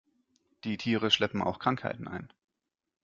Die Tiere schleppen auch Krankheiten ein.